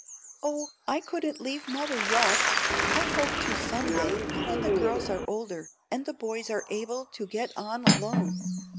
"Oh, I couldn't leave mother yet; I hope to some day, when the girls are older, and the boys able to get on alone.